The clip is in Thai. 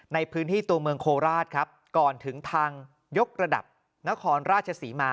ในพื้นที่ตัวเมืองโคราชครับก่อนถึงทางยกระดับนครราชศรีมา